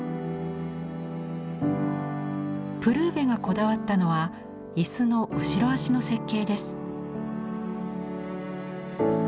プルーヴェがこだわったのは椅子の後ろ脚の設計です。